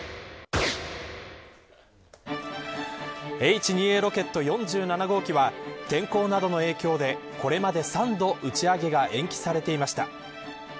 Ｈ２Ａロケット４７号機は天候などの影響でこれまで３度打ち上げが延期されていました。